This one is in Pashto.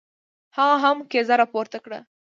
هغه هم کیزه را پورته کړه.